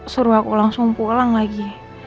seru aku langsung pulang lagi